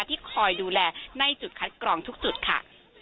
ที่คอยดูแลในจุดคัดกรองทุกจุดค่ะ